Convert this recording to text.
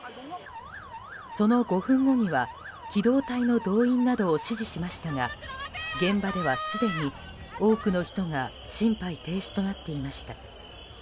その５分後には機動隊の動員などを指示しましたが現場ではすでに多くの人が心肺停止となっていました。